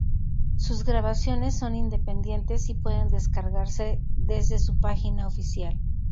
Sus grabaciones son independientes y pueden descargarse desde su página oficial.